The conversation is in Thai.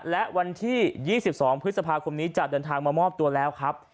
และวันที่๒๒พฤษภาคมนี้จะเดินทางมามอบตัวแล้วครับ